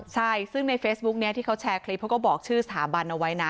ใช่ซึ่งในเฟซบุ๊คนี้ที่เขาแชร์คลิปเขาก็บอกชื่อสถาบันเอาไว้นะ